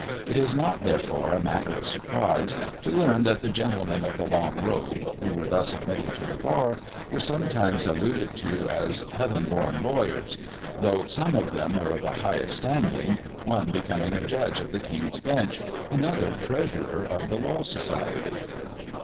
It is not therefore a matter of surprise to learn that the gentlemen of the long robe, who were thus admitted to the bar, were sometimes alluded to as "heaven born lawyers", though some of them were of the highest standing, one becoming a judge of the King's Bench, another treasurer of the Law Society.